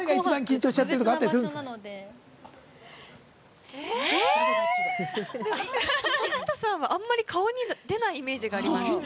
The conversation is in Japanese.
生田さんは、あんまり顔に出ないイメージがあります。